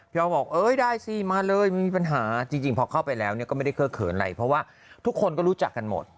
ออฟบอกเอ้ยได้สิมาเลยมันมีปัญหาจริงพอเข้าไปแล้วก็ไม่ได้เคิกเขินอะไรเพราะว่าทุกคนก็รู้จักกันหมด